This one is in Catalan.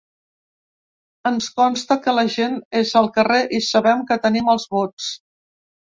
Ens consta que la gent és al carrer i sabem que tenim els vots.